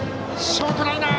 ショートライナー。